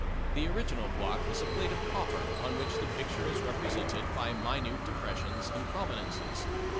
The original block is a plate of copper on which the picture is represented by minute depressions and prominences.